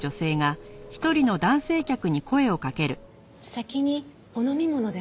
先にお飲み物でも。